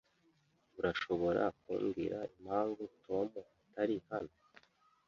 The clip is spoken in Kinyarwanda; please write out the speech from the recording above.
Urashobora kumbwira impamvu Tom atari hano?